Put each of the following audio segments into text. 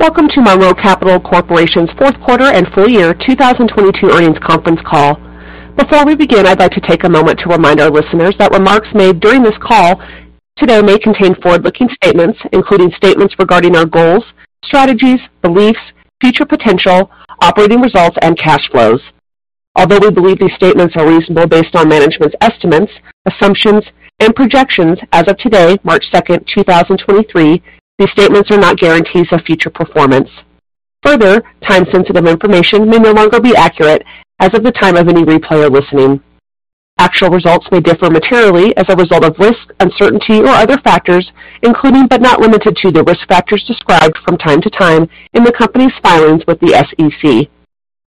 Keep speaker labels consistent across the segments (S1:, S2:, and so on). S1: Welcome to Monroe Capital Corporation's fourth quarter and full year 2022 earnings conference call. Before we begin, I'd like to take a moment to remind our listeners that remarks made during this call today may contain forward-looking statements, including statements regarding our goals, strategies, beliefs, future potential, operating results, and cash flows. Although we believe these statements are reasonable based on management's estimates, assumptions, and projections, as of today, March 2nd, 2023, these statements are not guarantees of future performance. Time-sensitive information may no longer be accurate as of the time of any replay or listening. Actual results may differ materially as a result of risk, uncertainty, or other factors, including but not limited to, the risk factors described from time to time in the company's filings with the SEC.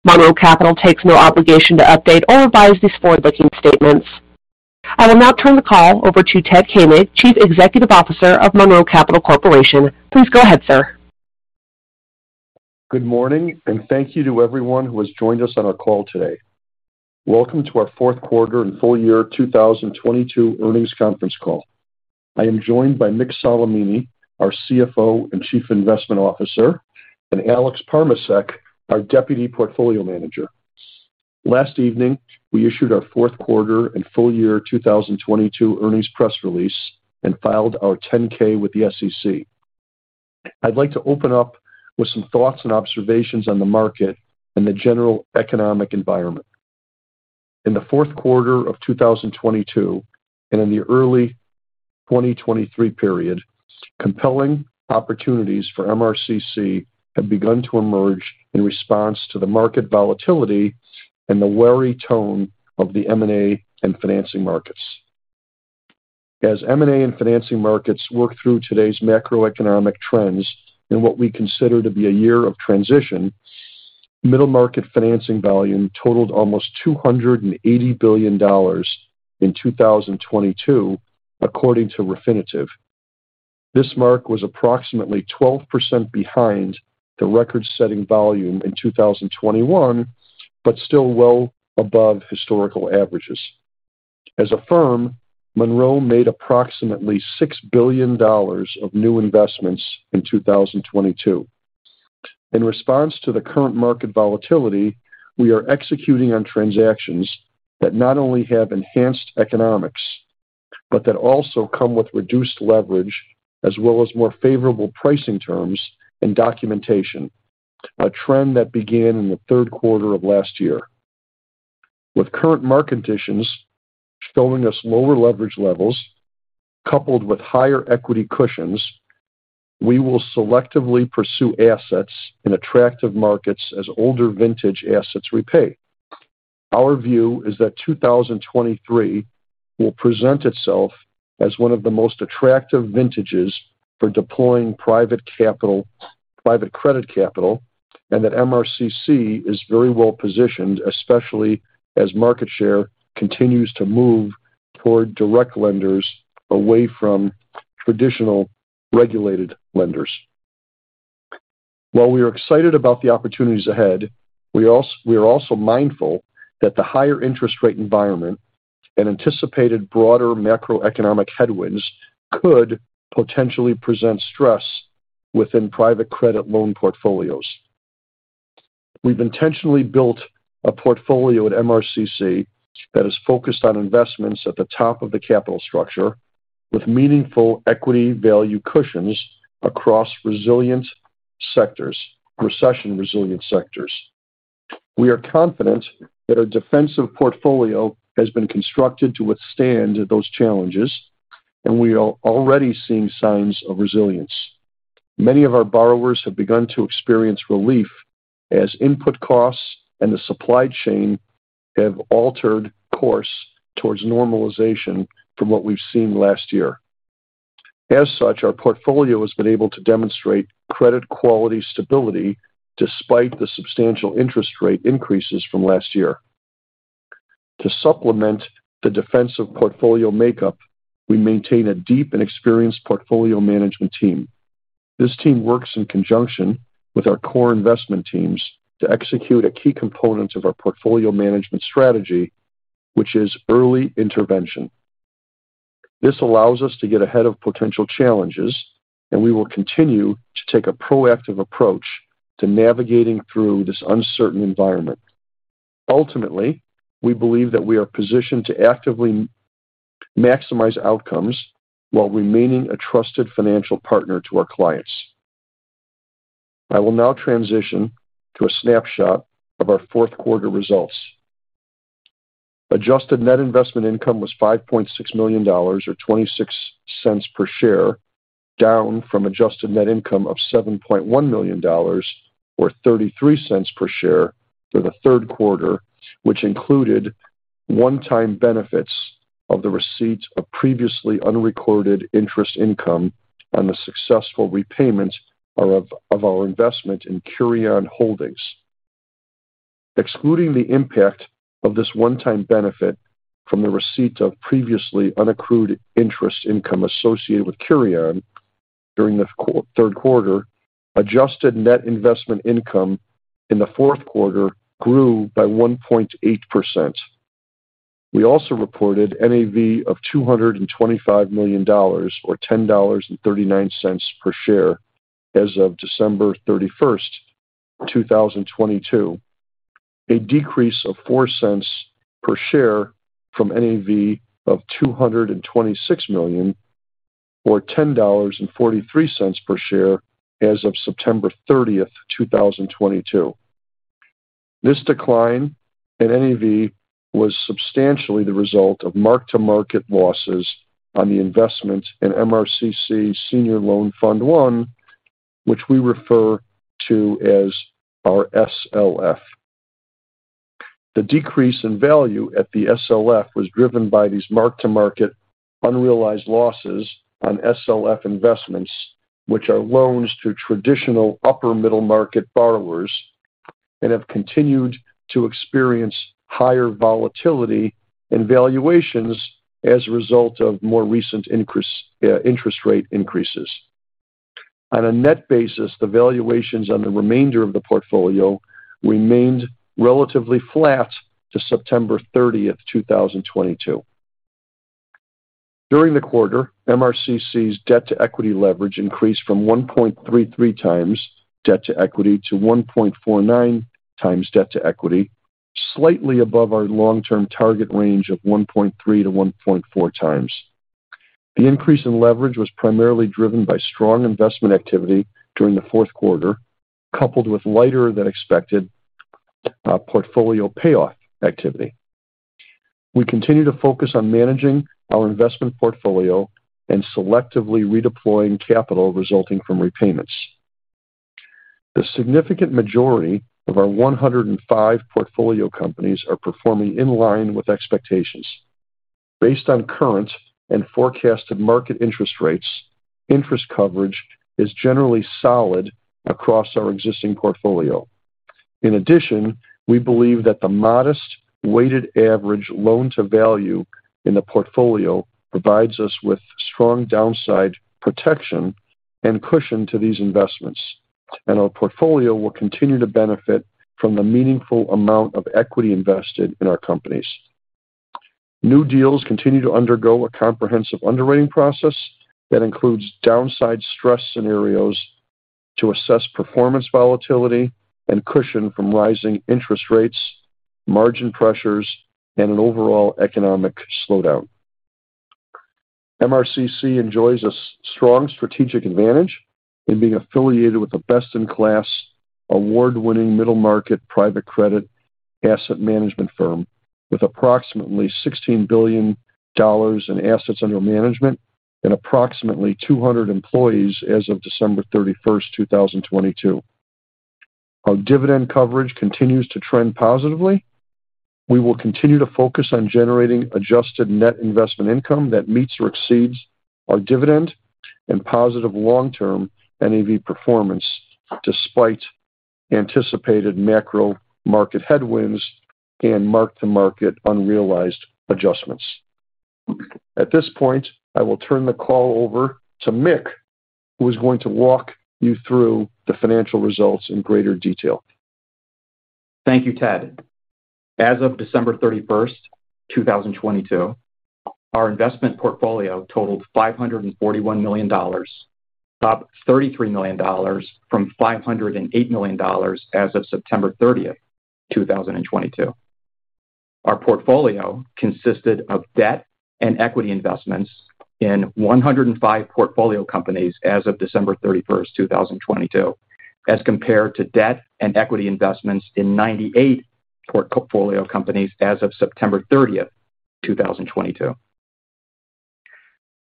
S1: Monroe Capital takes no obligation to update or revise these forward-looking statements. I will now turn the call over to Ted Koenig, Chief Executive Officer of Monroe Capital Corporation. Please go ahead, sir.
S2: Good morning. Thank you to everyone who has joined us on our call today. Welcome to our fourth quarter and full year 2022 earnings conference call. I am joined by Mick Solimene, our CFO and Chief Investment Officer, and Alex Parmacek, our Deputy Portfolio Manager. Last evening, we issued our fourth quarter and full year 2022 earnings press release and filed our 10-K with the SEC. I'd like to open up with some thoughts and observations on the market and the general economic environment. In the fourth quarter of 2022 and in the early 2023 period, compelling opportunities for MRCC have begun to emerge in response to the market volatility and the wary tone of the M&A and financing markets. As M&A and financing markets work through today's macroeconomic trends in what we consider to be a year of transition, middle market financing volume totaled almost $280 billion in 2022, according to Refinitiv. This mark was approximately 12% behind the record-setting volume in 2021, but still well above historical averages. As a firm, Monroe made approximately $6 billion of new investments in 2022. In response to the current market volatility, we are executing on transactions that not only have enhanced economics, but that also come with reduced leverage as well as more favorable pricing terms and documentation, a trend that began in the third quarter of last year. With current market conditions showing us lower leverage levels coupled with higher equity cushions, we will selectively pursue assets in attractive markets as older vintage assets repay. Our view is that 2023 will present itself as one of the most attractive vintages for deploying private credit capital. MRCC is very well positioned, especially as market share continues to move toward direct lenders away from traditional regulated lenders. We are excited about the opportunities ahead, we are also mindful that the higher interest rate environment and anticipated broader macroeconomic headwinds could potentially present stress within private credit loan portfolios. We've intentionally built a portfolio at MRCC that is focused on investments at the top of the capital structure with meaningful equity value cushions across recession-resilient sectors. We are confident that our defensive portfolio has been constructed to withstand those challenges. We are already seeing signs of resilience. Many of our borrowers have begun to experience relief as input costs and the supply chain have altered course towards normalization from what we've seen last year. Our portfolio has been able to demonstrate credit quality stability despite the substantial interest rate increases from last year. To supplement the defensive portfolio makeup, we maintain a deep and experienced portfolio management team. This team works in conjunction with our core investment teams to execute a key component of our portfolio management strategy, which is early intervention. This allows us to get ahead of potential challenges. We will continue to take a proactive approach to navigating through this uncertain environment. Ultimately, we believe that we are positioned to actively maximize outcomes while remaining a trusted financial partner to our clients. I will now transition to a snapshot of our fourth quarter results. Adjusted net investment income was $5.6 million or $0.26 per share, down from adjusted net income of $7.1 million or $0.33 per share for the third quarter, which included one-time benefits of the receipt of previously unrecorded interest income on the successful repayment of our investment in Curion Holdings. Excluding the impact of this one-time benefit from the receipt of previously unaccrued interest income associated with Curion during the third quarter, adjusted net investment income in the fourth quarter grew by 1.8%. We also reported NAV of $225 million or $10.39 per share as of December 31st, 2022. A decrease of $0.04 per share from NAV of $226 million or $10.43 per share as of September thirtieth, two thousand and twenty-two. This decline in NAV was substantially the result of mark-to-market losses on the investment in MRCC Senior Loan Fund I, which we refer to as our SLF. The decrease in value at the SLF was driven by these mark-to-market unrealized losses on SLF investments, which are loans to traditional upper middle market borrowers and have continued to experience higher volatility and valuations as a result of more recent interest rate increases. On a net basis, the valuations on the remainder of the portfolio remained relatively flat to September thirtieth, two thousand and twenty-two. During the quarter, MRCC's debt-to-equity leverage increased from 1.33 times debt to equity to 1.49 times debt to equity, slightly above our long-term target range of 1.3 to 1.4 times. The increase in leverage was primarily driven by strong investment activity during the fourth quarter, coupled with lighter than expected portfolio payoff activity. We continue to focus on managing our investment portfolio and selectively redeploying capital resulting from repayments. The significant majority of our 105 portfolio companies are performing in line with expectations. Based on current and forecasted market interest rates, interest coverage is generally solid across our existing portfolio. In addition, we believe that the modest weighted average loan to value in the portfolio provides us with strong downside protection and cushion to these investments. Our portfolio will continue to benefit from the meaningful amount of equity invested in our companies. New deals continue to undergo a comprehensive underwriting process that includes downside stress scenarios to assess performance volatility and cushion from rising interest rates, margin pressures, and an overall economic slowdown. MRCC enjoys a strong strategic advantage in being affiliated with a best-in-class, award-winning middle market private credit asset management firm with approximately $16 billion in assets under management and approximately 200 employees as of December 31, 2022. Our dividend coverage continues to trend positively. We will continue to focus on generating adjusted net investment income that meets or exceeds our dividend and positive long-term NAV performance despite anticipated macro market headwinds and mark-to-market unrealized adjustments. At this point, I will turn the call over to Mick, who is going to walk you through the financial results in greater detail.
S3: Thank you, Ted. As of December 31st, 2022, our investment portfolio totaled $541 million, up $33 million from $508 million as of September 30th, 2022. Our portfolio consisted of debt and equity investments in 105 portfolio companies as of December 31st, 2022, as compared to debt and equity investments in 98 portfolio companies as of September 30th, 2022.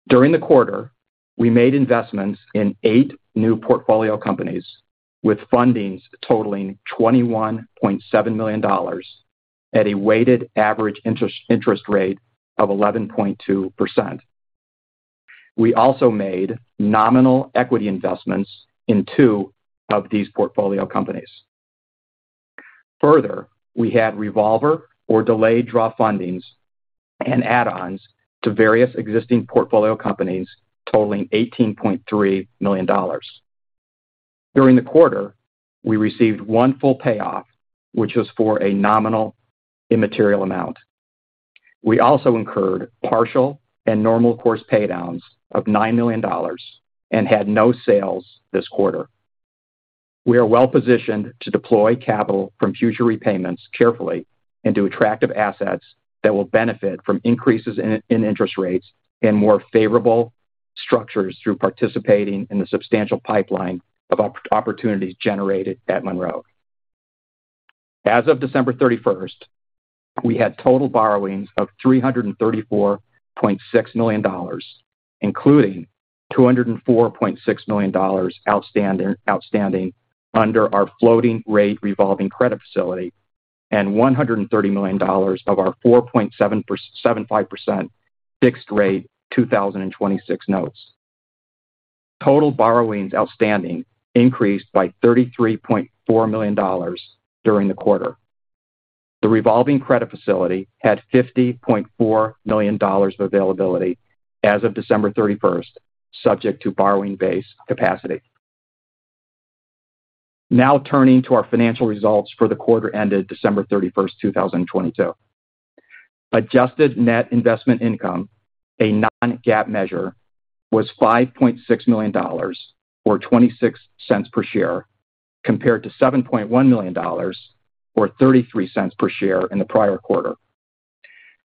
S3: During the quarter, we made investments in eight new portfolio companies, with fundings totaling $21.7 million at a weighted average interest rate of 11.2%. We also made nominal equity investments in two of these portfolio companies. We had revolver or delayed draw fundings and add-ons to various existing portfolio companies totaling $18.3 million. During the quarter, we received one full payoff, which was for a nominal immaterial amount. We also incurred partial and normal course pay downs of $9 million and had no sales this quarter. We are well-positioned to deploy capital from future repayments carefully into attractive assets that will benefit from increases in interest rates and more favorable structures through participating in the substantial pipeline of opportunities generated at Monroe. As of December 31st, we had total borrowings of $334.6 million, including $204.6 million outstanding under our floating rate revolving credit facility and $130 million of our 4.75% fixed rate 2026 notes. Total borrowings outstanding increased by $33.4 million during the quarter. The revolving credit facility had $50.4 million of availability as of December 31st, subject to borrowing base capacity. Turning to our financial results for the quarter ended December 31st, 2022. Adjusted net investment income, a non-GAAP measure, was $5.6 million, or $0.26 per share, compared to $7.1 million or $0.33 per share in the prior quarter.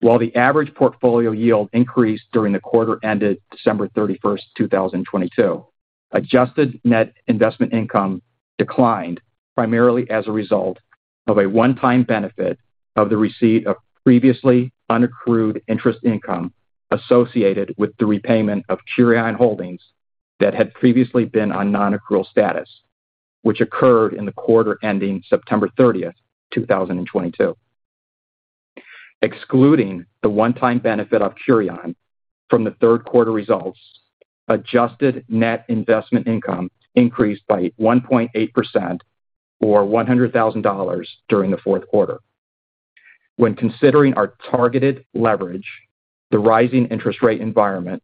S3: While the average portfolio yield increased during the quarter ended December 31st, 2022, adjusted net investment income declined primarily as a result of a one-time benefit of the receipt of previously unaccrued interest income associated with the repayment of Curion Holdings that had previously been on non-accrual status, which occurred in the quarter ending September 30th, 2022. Excluding the one-time benefit of Curion from the third quarter results, adjusted net investment income increased by 1.8% or $100,000 during the fourth quarter. When considering our targeted leverage, the rising interest rate environment,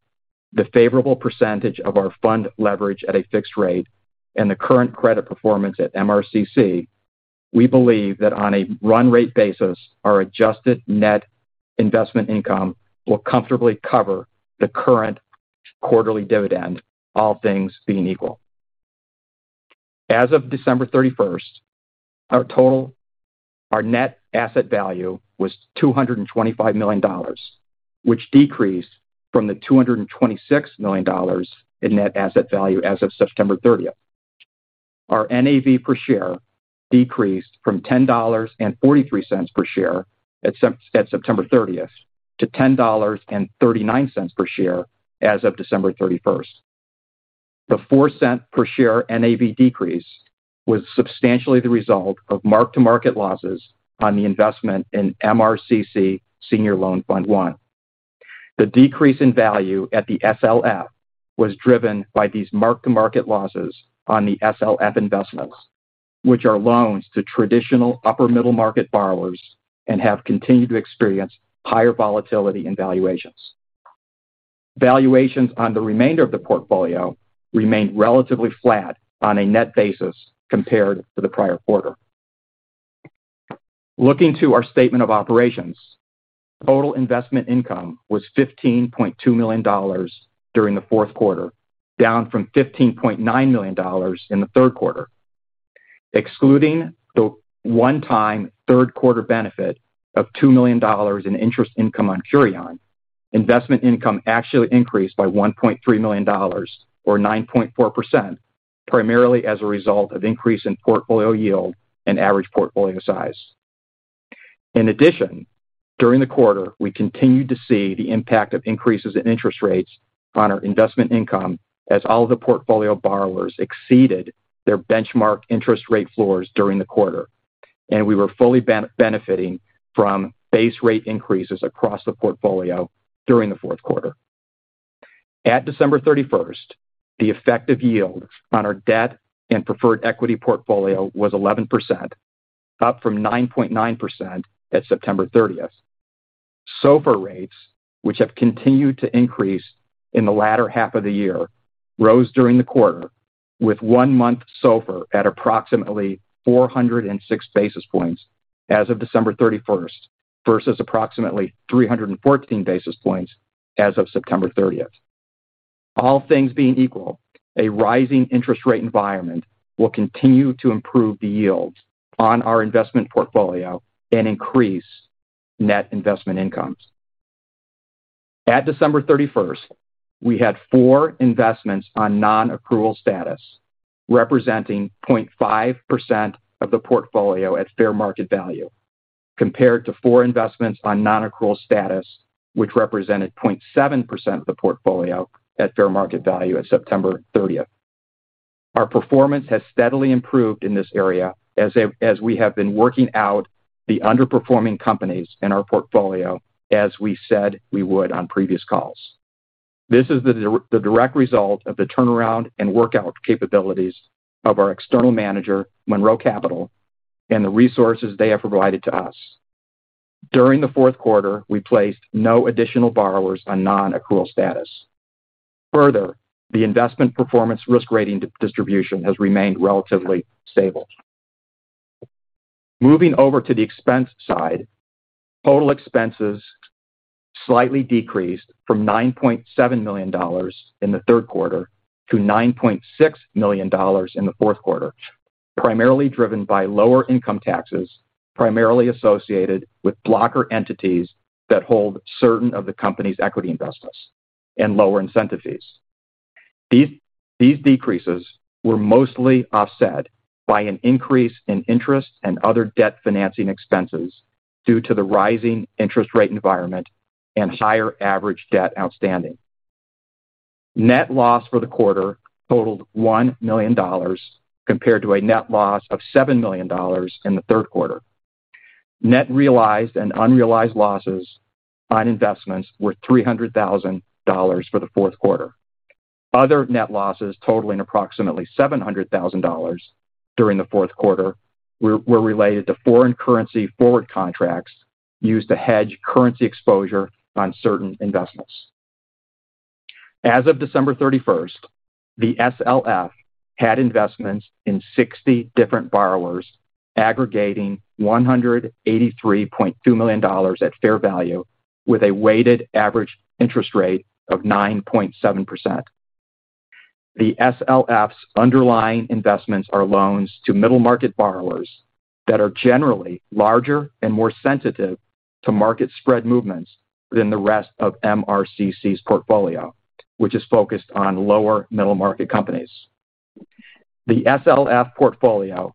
S3: the favorable percentage of our fund leverage at a fixed rate, and the current credit performance at MRCC, we believe that on a run rate basis, our adjusted net investment income will comfortably cover the current quarterly dividend, all things being equal. As of December 31st, Our net asset value was $225 million, which decreased from the $226 million in net asset value as of September 30th. Our NAV per share decreased from $10.43 per share at September 30th to $10.39 per share as of December 31st. The $0.04 per share NAV decrease was substantially the result of mark-to-market losses on the investment in MRCC Senior Loan Fund I. The decrease in value at the SLF was driven by these mark-to-market losses on the SLF investments, which are loans to traditional upper middle market borrowers and have continued to experience higher volatility and valuations. Valuations on the remainder of the portfolio remained relatively flat on a net basis compared to the prior quarter. Looking to our statement of operations, total investment income was $15.2 million during the fourth quarter, down from $15.9 million in the third quarter. Excluding the one-time third quarter benefit of $2 million in interest income on Curion, investment income actually increased by $1.3 million or 9.4%, primarily as a result of increase in portfolio yield and average portfolio size. In addition, during the quarter, we continued to see the impact of increases in interest rates on our investment income as all of the portfolio borrowers exceeded their benchmark interest rate floors during the quarter, and we were fully benefiting from base rate increases across the portfolio during the fourth quarter. At December 31st, the effective yield on our debt and preferred equity portfolio was 11%, up from 9.9% at September 30th. SOFR rates, which have continued to increase in the latter half of the year, rose during the quarter with one-month SOFR at approximately 406 basis points as of December 31st versus approximately 314 basis points as of September 30th. All things being equal, a rising interest rate environment will continue to improve the yields on our investment portfolio and increase net investment incomes. At December thirty-first, we had four investments on non-accrual status, representing 0.5% of the portfolio at fair market value, compared to four investments on non-accrual status, which represented 0.7% of the portfolio at fair market value at September thirtieth. Our performance has steadily improved in this area as we have been working out the underperforming companies in our portfolio as we said we would on previous calls. This is the direct result of the turnaround and workout capabilities of our external manager, Monroe Capital, and the resources they have provided to us. During the fourth quarter, we placed no additional borrowers on non-accrual status. Further, the investment performance risk rating distribution has remained relatively stable. Moving over to the expense side, total expenses slightly decreased from $9.7 million in the third quarter to $9.6 million in the fourth quarter, primarily driven by lower income taxes, primarily associated with blocker entities that hold certain of the company's equity investments and lower incentive fees. These decreases were mostly offset by an increase in interest and other debt financing expenses due to the rising interest rate environment and higher average debt outstanding. Net loss for the quarter totaled $1 million compared to a net loss of $7 million in the third quarter. Net realized and unrealized losses on investments were $300,000 for the fourth quarter. Other net losses totaling approximately $700,000 during the fourth quarter were related to foreign currency forward contracts used to hedge currency exposure on certain investments. As of December 31st, the SLF had investments in 60 different borrowers aggregating $183.2 million at fair value with a weighted average interest rate of 9.7%. The SLF's underlying investments are loans to middle-market borrowers that are generally larger and more sensitive to market spread movements than the rest of MRCC's portfolio, which is focused on lower middle-market companies. The SLF portfolio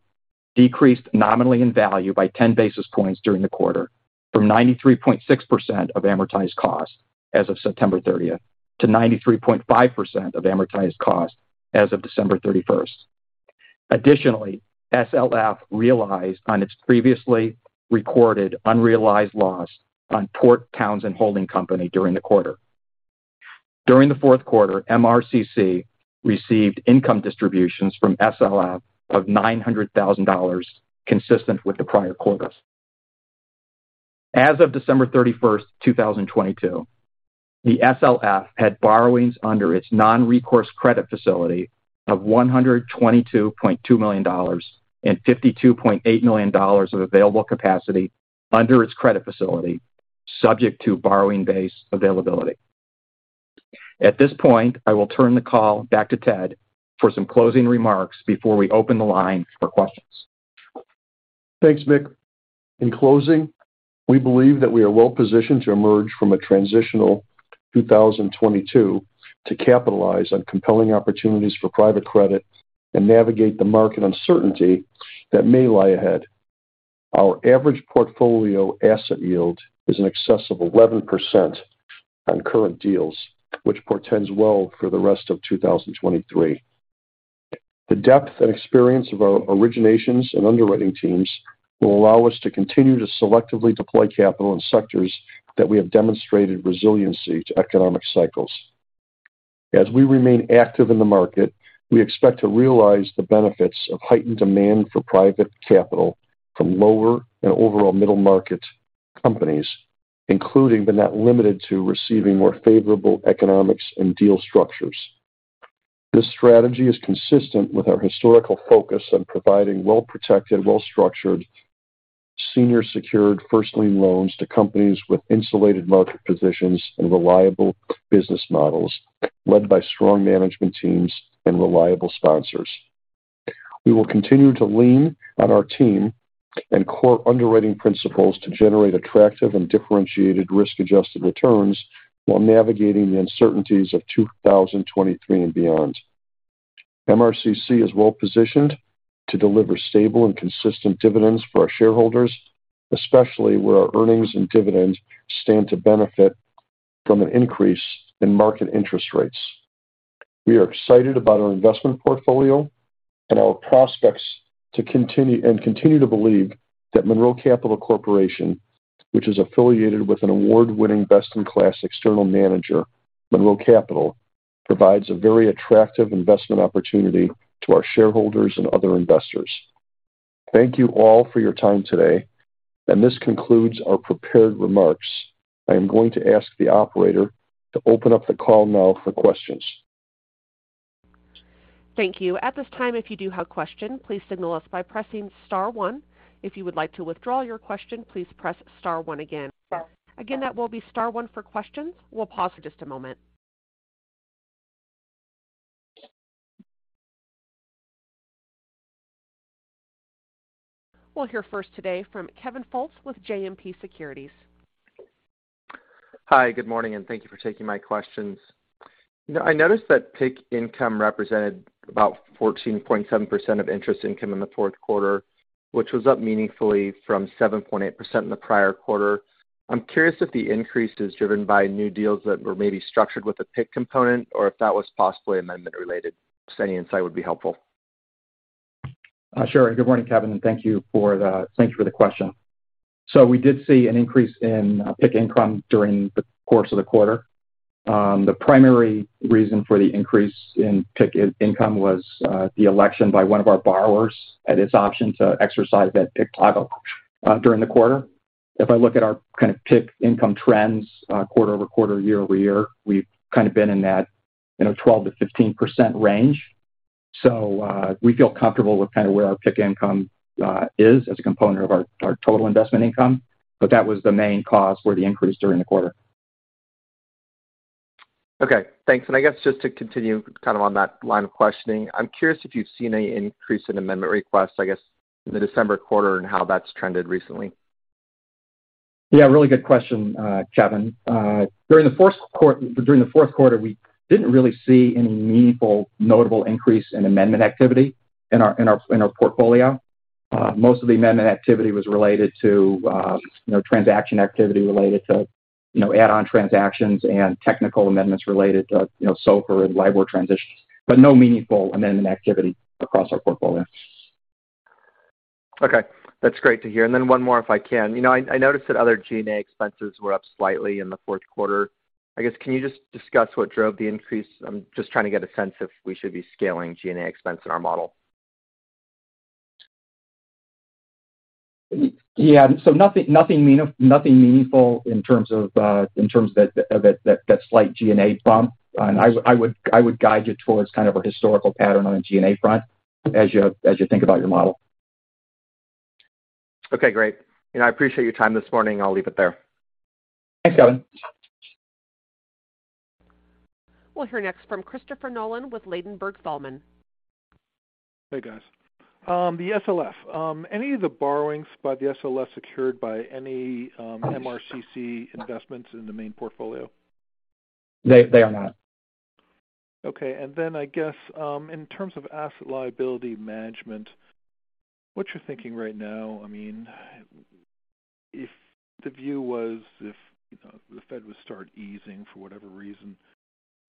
S3: decreased nominally in value by 10 basis points during the quarter from 93.6% of amortized cost as of September thirtieth to 93.5% of amortized cost as of December thirty-first. Additionally, SLF realized on its previously recorded unrealized loss on Port Townsend Holding Company during the quarter. During the fourth quarter, MRCC received income distributions from SLF of $900,000 consistent with the prior quarters. As of December 31, 2022, the SLF had borrowings under its non-recourse credit facility of $122.2 million and $52.8 million of available capacity under its credit facility, subject to borrowing base availability. At this point, I will turn the call back to Ted for some closing remarks before we open the line for questions.
S2: Thanks, Mick. In closing, we believe that we are well positioned to emerge from a transitional 2022 to capitalize on compelling opportunities for private credit and navigate the market uncertainty that may lie ahead. Our average portfolio asset yield is in excess of 11% on current deals, which portends well for the rest of 2023. The depth and experience of our originations and underwriting teams will allow us to continue to selectively deploy capital in sectors that we have demonstrated resiliency to economic cycles. As we remain active in the market, we expect to realize the benefits of heightened demand for private capital from lower and overall middle-market companies, including, but not limited to, receiving more favorable economics and deal structures. This strategy is consistent with our historical focus on providing well-protected, well-structured senior secured first lien loans to companies with insulated market positions and reliable business models led by strong management teams and reliable sponsors. We will continue to lean on our team and core underwriting principles to generate attractive and differentiated risk-adjusted returns while navigating the uncertainties of 2023 and beyond. MRCC is well positioned to deliver stable and consistent dividends for our shareholders, especially where our earnings and dividends stand to benefit from an increase in market interest rates. We are excited about our investment portfolio and our prospects to continue to believe that Monroe Capital Corporation, which is affiliated with an award-winning, best-in-class external manager, Monroe Capital, provides a very attractive investment opportunity to our shareholders and other investors. Thank you all for your time today, and this concludes our prepared remarks. I am going to ask the operator to open up the call now for questions.
S1: Thank you. At this time, if you do have a question, please signal us by pressing star one. If you would like to withdraw your question, please press star one again. Again, that will be star one for questions. We'll pause for just a moment. We'll hear first today from Kevin Fultz with JMP Securities.
S4: Hi, good morning, and thank you for taking my questions. You know, I noticed that PIK income represented about 14.7% of interest income in the fourth quarter, which was up meaningfully from 7.8% in the prior quarter. I'm curious if the increase is driven by new deals that were maybe structured with a PIK component or if that was possibly amendment related. Just any insight would be helpful.
S3: Sure. Good morning, Kevin, and thank you for the question. We did see an increase in PIK income during the course of the quarter. The primary reason for the increase in PIK income was the election by one of our borrowers at its option to exercise that PIK toggle during the quarter. If I look at our kind of PIK income trends, quarter-over-quarter, year-over-year, we've kind of been in that, you know, 12%-15% range. We feel comfortable with kind of where our PIK income is as a component of our total investment income, but that was the main cause for the increase during the quarter.
S4: Okay. Thanks. I guess just to continue kind of on that line of questioning, I'm curious if you've seen any increase in amendment requests, I guess, in the December quarter and how that's trended recently.
S3: Really good question, Kevin. During the fourth quarter, we didn't really see any meaningful notable increase in amendment activity in our portfolio. Most of the amendment activity was related to, you know, transaction activity related to, you know, add-on transactions and technical amendments related to, you know, SOFR and LIBOR transitions, but no meaningful amendment activity across our portfolio.
S4: Okay. That's great to hear. One more, if I can. You know, I noticed that other G&A expenses were up slightly in the fourth quarter. Can you just discuss what drove the increase? I'm just trying to get a sense if we should be scaling G&A expense in our model.
S3: Yeah. Nothing meaningful in terms of, in terms of that slight G&A bump. I would guide you towards kind of a historical pattern on the G&A front as you, as you think about your model.
S4: Okay, great. You know, I appreciate your time this morning. I'll leave it there.
S3: Thanks, Kevin.
S1: We'll hear next from Christopher Nolan with Ladenburg Thalmann.
S5: Hey, guys. The SLF. Any of the borrowings by the SLF secured by any MRCC investments in the main portfolio?
S3: They are not.
S5: I guess, in terms of asset liability management, what's your thinking right now? I mean, if the view was if, you know, the Fed would start easing for whatever reason,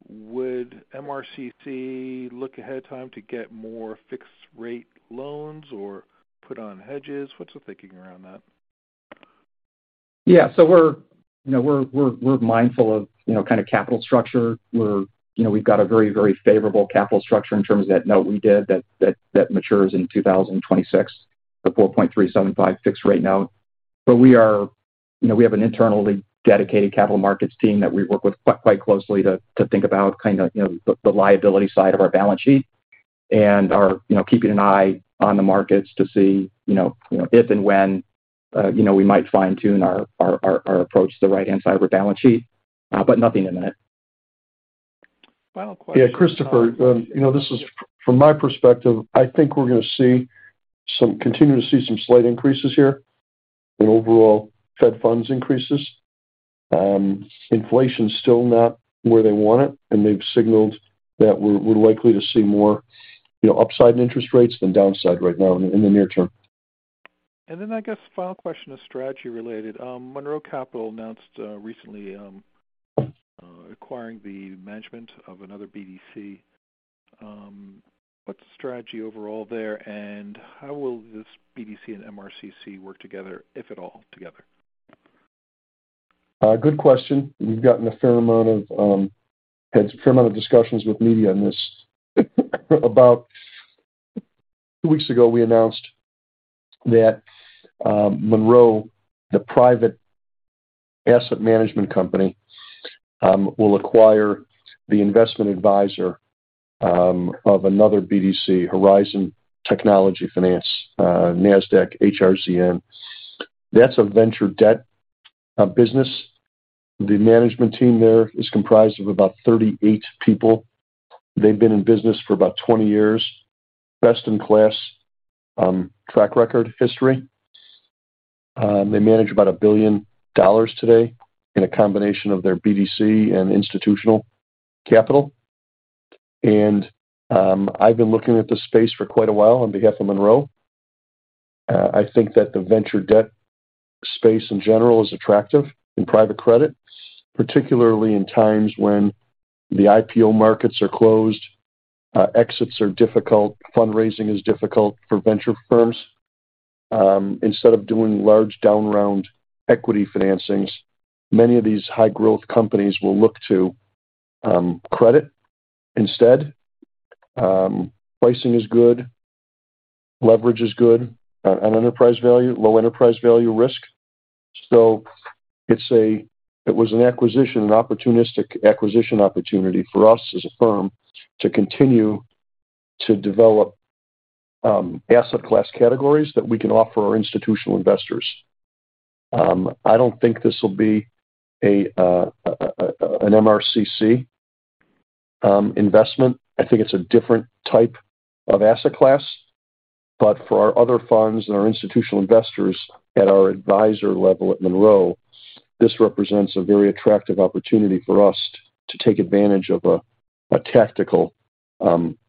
S5: would MRCC look ahead time to get more fixed rate loans or put on hedges? What's the thinking around that?
S3: Yeah. We're, you know, we're mindful of, you know, kind of capital structure. We're, you know, we've got a very, very favorable capital structure in terms of that note we did that matures in 2026. The 4.375% fixed rate note. We are, you know, we have an internally dedicated capital markets team that we work with quite closely to think about kind of, you know, the liability side of our balance sheet. Are, you know, keeping an eye on the markets to see, you know, if and when, you know, we might fine-tune our approach to the right-hand side of our balance sheet. Nothing imminent.
S5: Final question.
S2: Yeah, Christopher, you know, this is from my perspective, I think we're gonna continue to see some slight increases here in overall Fed funds increases. Inflation's still not where they want it, and they've signaled that we're likely to see more, you know, upside in interest rates than downside right now in the, in the near term.
S5: I guess final question is strategy related. Monroe Capital announced recently acquiring the management of another BDC. What's the strategy overall there, and how will this BDC and MRCC work together, if at all, together?
S2: Good question. We've had a fair amount of discussions with media on this. About two weeks ago, we announced that Monroe, the private asset management company, will acquire the investment advisor of another BDC, Horizon Technology Finance Corporation, Nasdaq HRZN. That's a venture debt business. The management team there is comprised of about 38 people. They've been in business for about 20 years. Best in class track record history. They manage about $1 billion today in a combination of their BDC and institutional capital. I've been looking at this space for quite a while on behalf of Monroe. I think that the venture debt space in general is attractive in private credit, particularly in times when the IPO markets are closed, exits are difficult, fundraising is difficult for venture firms. Instead of doing large down round equity financings, many of these high growth companies will look to credit instead. Pricing is good, leverage is good, and enterprise value, low enterprise value risk. It was an acquisition, an opportunistic acquisition opportunity for us as a firm to continue to develop asset class categories that we can offer our institutional investors. I don't think this will be an MRCC investment. I think it's a different type of asset class. For our other funds and our institutional investors at our advisor level at Monroe, this represents a very attractive opportunity for us to take advantage of a tactical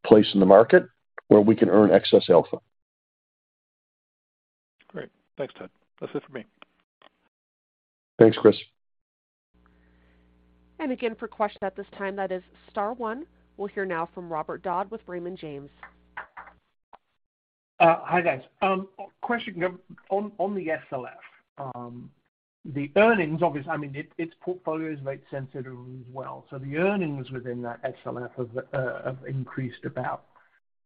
S2: place in the market where we can earn excess alpha.
S5: Great. Thanks, Ted. That's it for me.
S2: Thanks, Chris.
S1: Again, for question at this time, that is star one. We'll hear now from Robert Dodd with Raymond James.
S6: Hi, guys. Question on the SLF. The earnings, obviously, its portfolio is rate sensitive as well. The earnings within that SLF have increased about,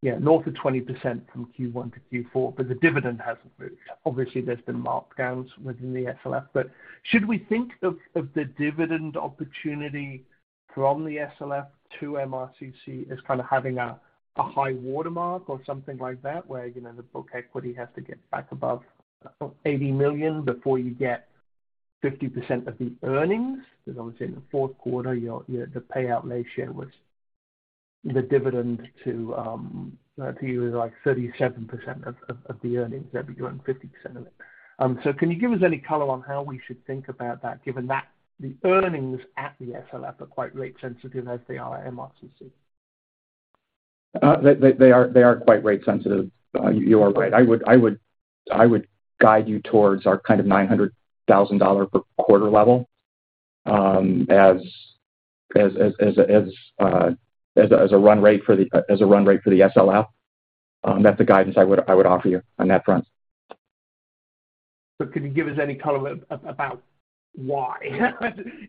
S6: yeah, north of 20% from Q1 to Q4, but the dividend hasn't moved. Obviously, there's been markdowns within the SLF. Should we think of the dividend opportunity from the SLF to MRCC as kind of having a high watermark or something like that? Where, you know, the book equity has to get back above $80 million before you get 50% of the earnings. Because obviously in the fourth quarter, your, the payout ratio was the dividend to you is like 37% of the earnings, that be around 50% of it. Can you give us any color on how we should think about that, given that the earnings at the SLF are quite rate sensitive as they are at MRCC?
S3: They are quite rate sensitive. You are right. I would guide you towards our kind of $900,000 per quarter level, as a run rate for the SLF. That's the guidance I would offer you on that front.
S6: Can you give us any color about Why?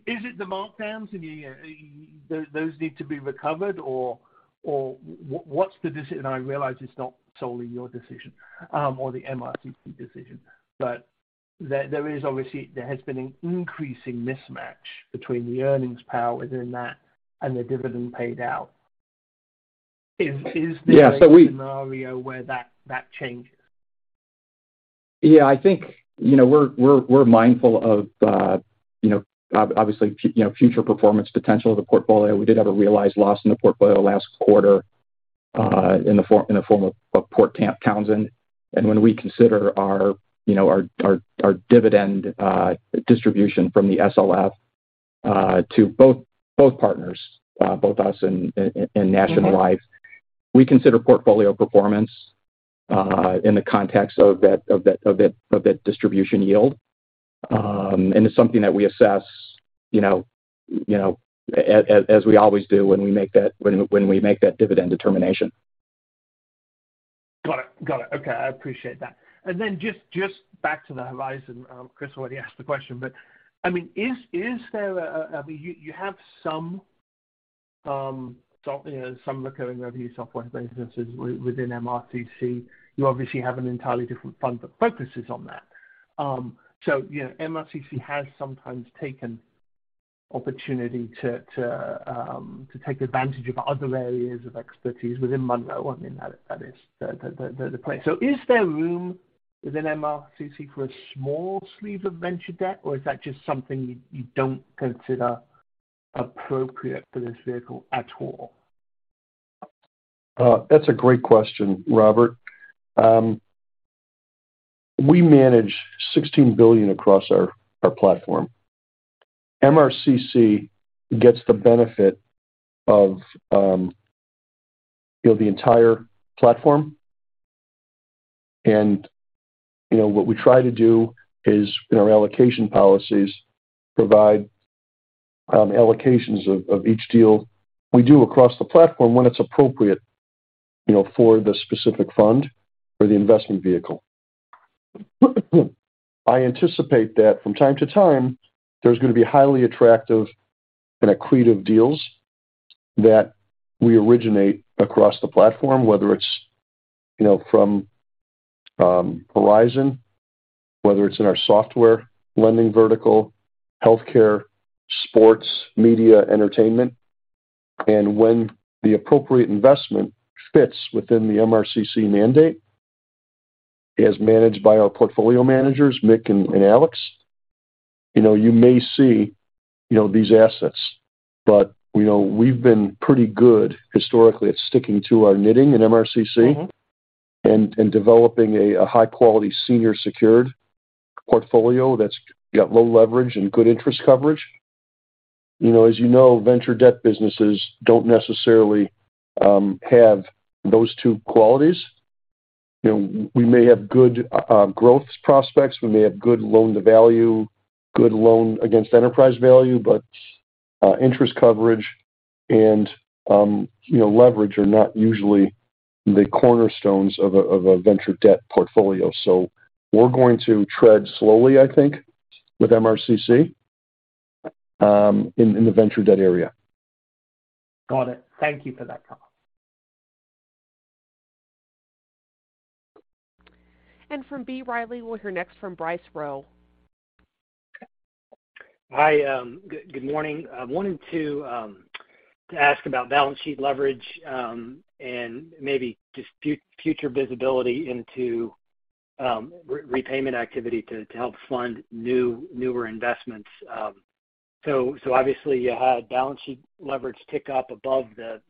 S6: Is it the markdowns and those need to be recovered or, what's the decision? I realize it's not solely your decision, or the MRCC decision. There, there is obviously, there has been an increasing mismatch between the earnings power within that and the dividend paid out. Is there.
S3: Yeah.
S6: A scenario where that changes?
S3: Yeah, I think, you know, we're mindful of, you know, obviously, you know, future performance potential of the portfolio. We did have a realized loss in the portfolio last quarter, in the form of Port Townsend. When we consider our, you know, our dividend distribution from the SLF to both partners, both us and National Life, we consider portfolio performance in the context of that distribution yield. It's something that we assess, you know, as we always do when we make that dividend determination.
S6: Got it. Got it. Okay. I appreciate that. Then just back to the Horizon. Chris already asked the question, but, I mean, is there a. I mean, you have some, you know, some recurring revenue software businesses within MRCC. You obviously have an entirely different fund that focuses on that. You know, MRCC has sometimes taken opportunity to take advantage of other areas of expertise within Monroe. I mean, that is the place. Is there room within MRCC for a small sleeve of venture debt, or is that just something you don't consider appropriate for this vehicle at all?
S2: That's a great question, Robert. We manage $16 billion across our platform. MRCC gets the benefit of, you know, the entire platform. You know, what we try to do is, in our allocation policies, provide allocations of each deal we do across the platform when it's appropriate, you know, for the specific fund or the investment vehicle. I anticipate that from time to time, there's gonna be highly attractive and accretive deals that we originate across the platform, whether it's, you know, from Horizon, whether it's in our software lending vertical, healthcare, sports, media, entertainment. When the appropriate investment fits within the MRCC mandate, as managed by our portfolio managers, Mick and Alex, you know, you may see, you know, these assets. You know, we've been pretty good historically at sticking to our knitting in MRCC.
S6: Mm-hmm.
S2: Developing a high-quality senior secured portfolio that's got low leverage and good interest coverage. You know, as you know, venture debt businesses don't necessarily have those two qualities. You know, we may have good growth prospects. We may have good loan-to-value, good loan against enterprise value. Interest coverage and, you know, leverage are not usually the cornerstones of a venture debt portfolio. We're going to tread slowly, I think, with MRCC in the venture debt area.
S6: Got it. Thank you for that, Tom.
S1: From B. Riley, we'll hear next from Bryce Rowe.
S7: Hi. good morning. I wanted to ask about balance sheet leverage and maybe just future visibility into repayment activity to help fund newer investments. Obviously you had balance sheet leverage tick up above the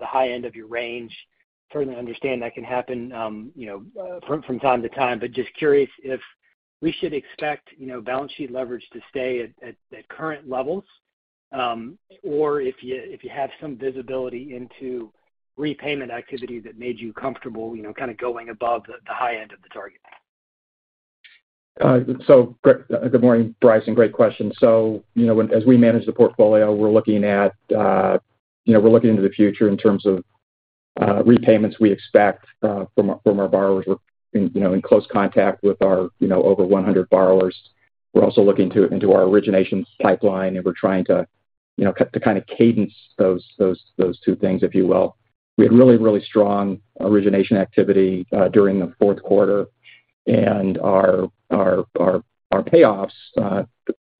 S7: high end of your range. Certainly understand that can happen from time to time, but just curious if we should expect balance sheet leverage to stay at current levels or if you have some visibility into repayment activity that made you comfortable, you know, kind of going above the high end of the target.
S3: Good morning, Bryce, great question. You know, as we manage the portfolio, we're looking at, you know, we're looking into the future in terms of repayments we expect from our borrowers. We're in, you know, close contact with our, you know, over 100 borrowers. We're also looking into our originations pipeline, we're trying to, you know, to kind of cadence those two things, if you will. We had really strong origination activity during the fourth quarter, our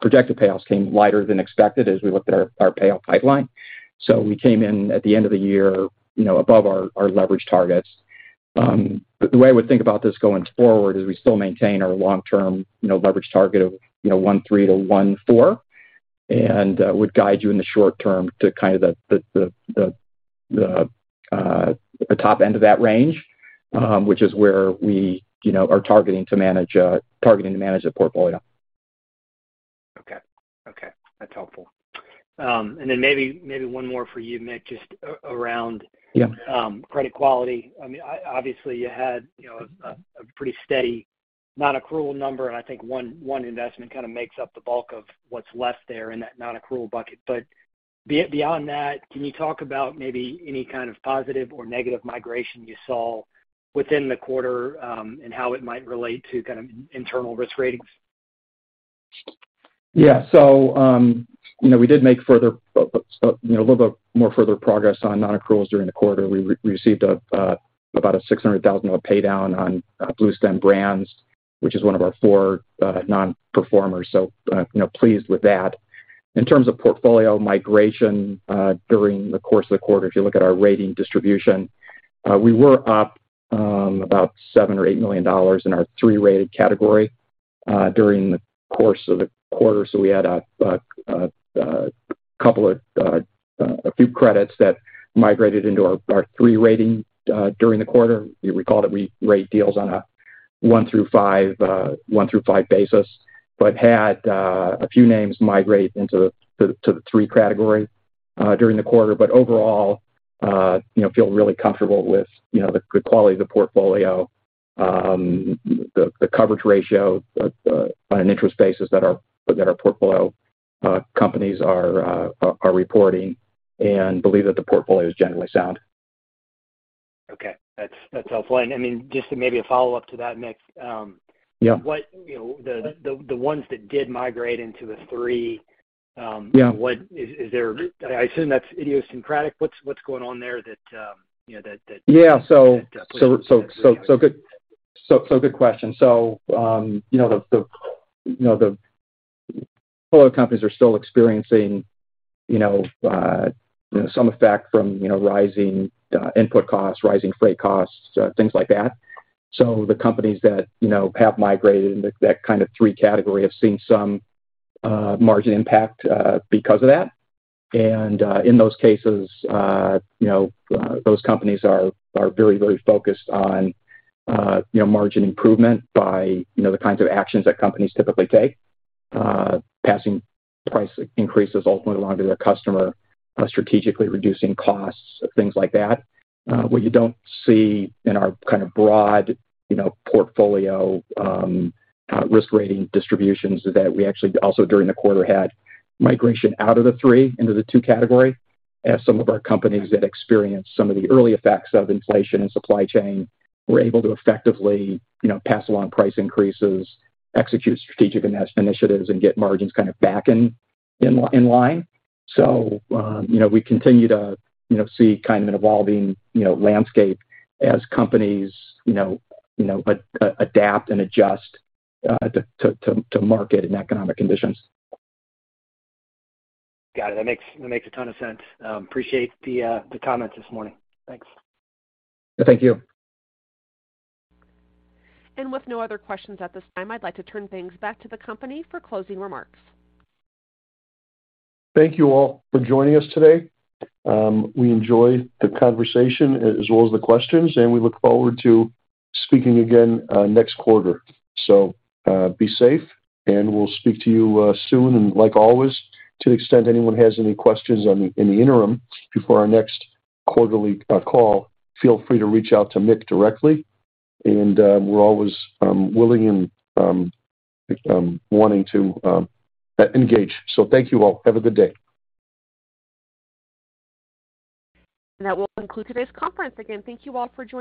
S3: projected payoffs came lighter than expected as we looked at our payoff pipeline. We came in at the end of the year, you know, above our leverage targets. But the way I would think about this going forward is we still maintain our long-term, you know, leverage target of, you know, 1.3-1.4. Would guide you in the short term to kind of the top end of that range, which is where we, you know, are targeting to manage the portfolio.
S7: Okay. Okay. That's helpful. Then maybe one more for you, Mick, just around.
S3: Yeah.
S7: Credit quality. I mean, obviously, you had, you know, a pretty steady non-accrual number, and I think one investment kind of makes up the bulk of what's left there in that non-accrual bucket. Beyond that, can you talk about maybe any kind of positive or negative migration you saw within the quarter, and how it might relate to kind of internal risk ratings?
S3: Yeah. you know, we did make further, you know, a little bit more further progress on non-accruals during the quarter. We received about a $600,000 pay down on Bluestem Brands, which is one of our four non-performers. you know, pleased with that. In terms of portfolio migration, during the course of the quarter, if you look at our rating distribution, we were up about $7 million or $8 million in our three-rated category, during the course of the quarter. We had a couple of a few credits that migrated into our three rating, during the quarter. You recall that we rate deals on a one through five basis, but had a few names migrate into the three category during the quarter. Overall, you know, feel really comfortable with, you know, the quality of the portfolio, the coverage ratio on an interest basis that our portfolio companies are reporting and believe that the portfolio is generally sound.
S7: Okay. That's helpful. I mean, just maybe a follow-up to that, Mick.
S3: Yeah.
S7: You know, the ones that did migrate into the three.
S3: Yeah.
S7: What is there? I assume that's idiosyncratic. What's going on there that, you know?
S3: Yeah.
S7: That.
S3: Good question. You know, the portfolio companies are still experiencing, you know, some effect from, you know, rising input costs, rising freight costs, things like that. The companies that, you know, have migrated into that kind of three category have seen some margin impact because of that. In those cases, you know, those companies are very, very focused on, you know, margin improvement by, you know, the kinds of actions that companies typically take. Passing price increases ultimately along to their customer, strategically reducing costs, things like that. What you don't see in our kind of broad, you know, portfolio, risk rating distributions is that we actually also during the quarter had migration out of the three into the two category. As some of our companies that experienced some of the early effects of inflation and supply chain were able to effectively, you know, pass along price increases, execute strategic initiatives and get margins kind of back in line. We continue to, you know, see kind of an evolving, you know, landscape as companies adapt and adjust to market and economic conditions.
S7: Got it. That makes a ton of sense. Appreciate the comments this morning. Thanks.
S3: Thank you.
S1: With no other questions at this time, I'd like to turn things back to the company for closing remarks.
S2: Thank you all for joining us today. We enjoy the conversation as well as the questions, and we look forward to speaking again next quarter. Be safe, and we'll speak to you soon. Like always, to the extent anyone has any questions in the interim before our next quarterly call, feel free to reach out to Mick directly. We're always willing and wanting to engage. Thank you all. Have a good day.
S1: That will conclude today's conference. Again, thank you all for